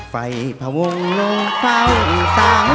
ไฟพะวงลงเผาอีกสาม